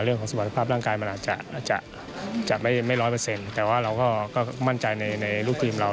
เรื่องของสมรรถภาพร่างกายมันอาจจะไม่ร้อยเปอร์เซ็นต์แต่ว่าเราก็มั่นใจในลูกทีมเรา